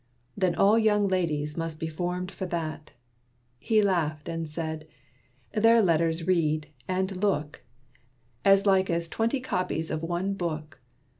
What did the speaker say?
"Then all young ladies must be formed for that!" He laughed, and said. "Their letters read, and look, As like as twenty copies of one book.